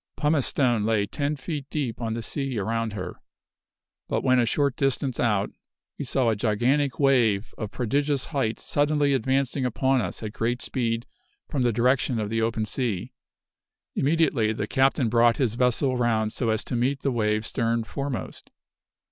Pumice stone lay ten feet deep on the sea around her. When but a short distance out "we saw a gigantic wave of prodigious height suddenly advancing upon us at great speed from the [Illustration: CONVULSION ON THE COAST OF SUMATRA.] direction of the open sea. Immediately the captain brought his vessel round so as to meet the wave stern foremost.